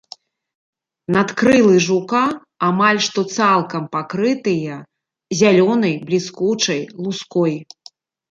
Надкрылы жука амаль што цалкам пакрытыя залёнай бліскучай луской.